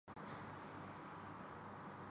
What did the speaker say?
حتٰیکہ ڈھکن ضروری نہیں ہیں